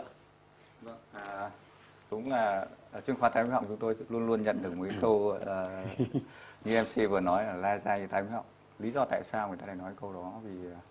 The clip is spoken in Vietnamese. đúng là truyền khoa tai mũi họng chúng tôi luôn luôn nhận được một câu